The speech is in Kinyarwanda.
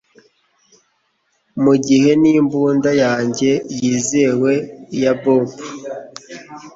mugihe n'imbunda yanjye yizewe ya bb